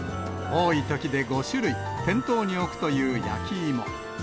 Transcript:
多いときで５種類、店頭に置くという焼き芋。